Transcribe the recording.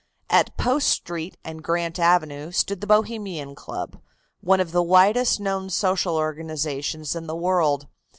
At Post Street and Grant Avenue stood the Bohemian Club, one of the widest known social organizations in the world.